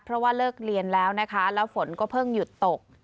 เพราะว่าเลิกเรียนแล้วนะคะแล้วฝนก็เพิ่งหยุดตก